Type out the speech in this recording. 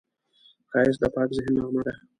ښایست د پاک ذهن نغمه ده